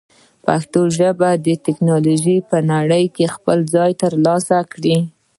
پښتو ژبه باید د ټکنالوژۍ په نړۍ کې خپل ځای ترلاسه کړي.